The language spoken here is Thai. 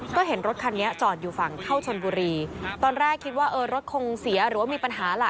ก็เห็นรถคันนี้จอดอยู่ฝั่งเข้าชนบุรีตอนแรกคิดว่าเออรถคงเสียหรือว่ามีปัญหาล่ะ